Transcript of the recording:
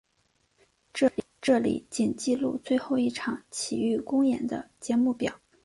这里仅记录最后一场琦玉公演的节目单。